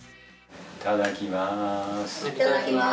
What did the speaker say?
いただきます。